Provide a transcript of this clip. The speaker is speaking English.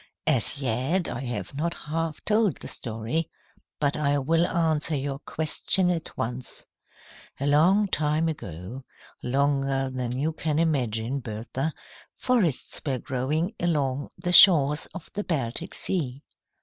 "As yet, I have not half told the story. But I will answer your question at once. "A long time ago, longer than you can imagine, Bertha, forests were growing along the shores of the Baltic Sea.